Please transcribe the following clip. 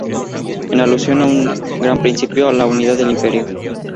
En alusión a su gran principio La unidad del Imperio.